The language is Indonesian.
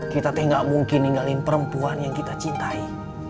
kita tuh gak mungkin ninggalin perempuan yang kita cintai